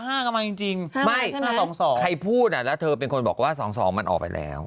ห้าก็มาจริงจริงห้าห้าใช่ไหมห้าสองสองไม่ใครพูดอ่ะแล้วเธอเป็นคนบอกว่าสองสองมันออกไปแล้ว